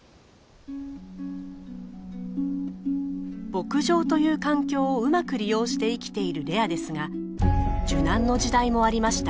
牧場という環境をうまく利用して生きているレアですが受難の時代もありました。